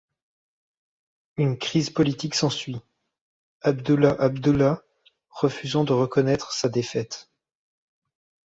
Une crise politique s'ensuit, Abdullah Abdullah refusant de reconnaître sa défaite.